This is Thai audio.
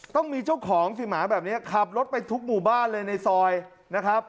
ต้องมีเจ้าของสิหมาแบบนี้ขับรถไปทุกหมู่บ้านเลยในซอยนะครับ